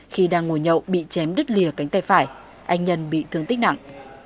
khi đang ngồi nhậu bị chém đứt lìa cánh tay phải anh nhân bị thương tích nặng